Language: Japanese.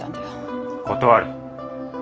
断る。